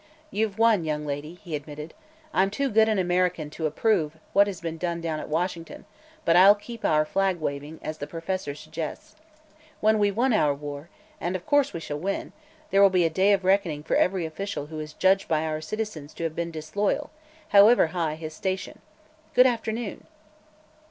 "You've won, young lady," he admitted. "I'm too good an American to approve what has been done down at Washington, but I'll help keep our flag waving, as the Professor suggests. When we've won our war and of course we shall win there will be a day of reckoning for every official who is judged by our citizens to have been disloyal, however high his station. Good afternoon!"